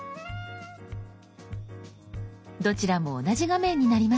どちらも同じ画面になりました。